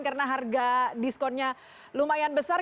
karena harga diskonnya lumayan besar